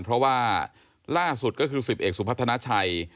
เพราะว่าล่าสุดก็คือ๑๐เอกสุพัฒนาชัย